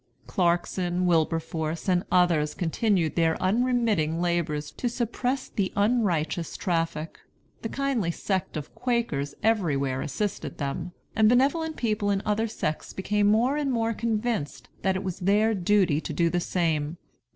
Clarkson, Wilberforce, and others continued their unremitting labors to suppress the unrighteous traffic; the kindly sect of Quakers everywhere assisted them; and benevolent people in other sects became more and more convinced that it was their duty to do the same.